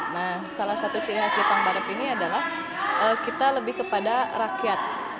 nah salah satu ciri khas jepang barat ini adalah kita lebih kepada rakyat